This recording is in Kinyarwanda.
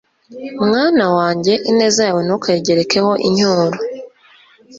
mwana wanjye, ineza yawe ntukayigerekeho incyuro